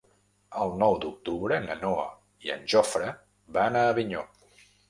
El nou d'octubre na Noa i en Jofre van a Avinyó.